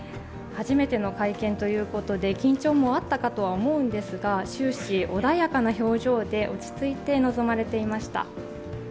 初めての会見ということで緊張もあったかと思いますが終始、穏やかな表情で落ち着いて臨まれていました。